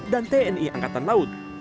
dan tni angkatan laut